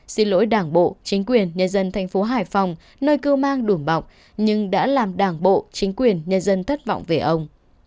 xin lỗi đảng bộ chính quyền nhân dân thành phố hải phòng nơi cưu mang đủng bọng nhưng đã làm đảng bộ chính quyền nhân dân thất vọng về ông